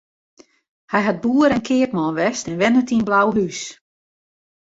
Hy hat boer en keapman west en wennet yn Blauhús.